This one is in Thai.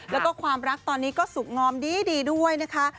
แล้วก็ความรักตอนนี้ก็สุขงอมดีด้วยนะคะ